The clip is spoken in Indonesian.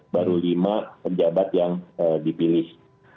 baru lima pejabat yang dipilih